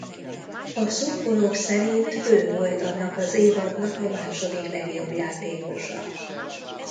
A szurkolók szerint ő volt annak az évadnak a második legjobb játékosa.